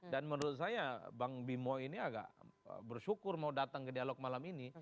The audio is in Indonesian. dan menurut saya bang bimo ini agak bersyukur mau datang ke dialog malam ini